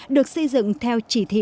được xây dựng theo chỉ thị